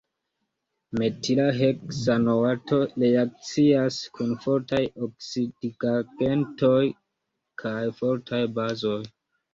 Metila heksanoato reakcias kun fortaj oksidigagentoj kaj fortaj bazoj.